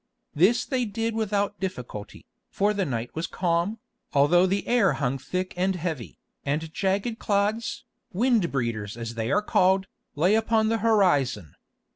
This they did without difficulty, for the night was calm, although the air hung thick and heavy, and jagged clouds, wind breeders as they were called, lay upon the horizon.